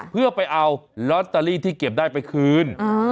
เพื่อไปเอาลอตเตอรี่ที่เก็บได้ไปคืน